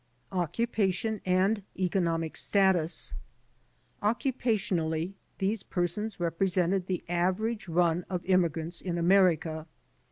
Occupation and Economic Status Occupationally these persons represented the average run of immigrants in America.